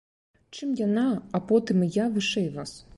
Чым яна, а потым і я, вышэй вас?